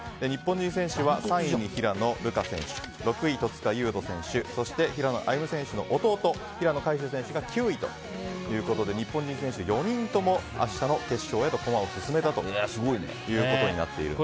日本人選手は３位に平野流佳選手６位、戸塚優斗選手そして平野歩夢選手の弟の平野海祝選手が９位ということで日本人選手４人とも明日の決勝へと駒を進めたということです。